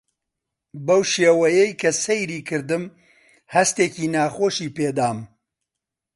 بەو شێوەیەی کە سەیری کردم هەستێکی ناخۆشی پێ دام.